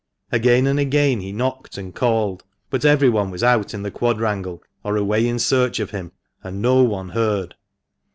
Again and again he knocked and called, but everyone was out in the quadrangle, or away in search of him, and no one heard.